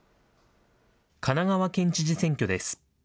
神奈川県知事選挙です。